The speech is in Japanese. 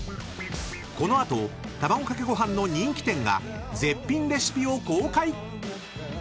［この後たまごかけごはんの人気店が絶品レシピを公開］